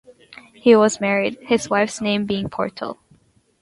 He was married, his wife's name being Portal.